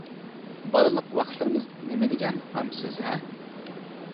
بالىلىق ۋاقىتلىرىمىز نېمە دېگەن غەمسىز ھە!